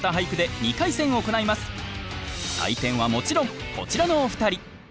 採点はもちろんこちらのお二人。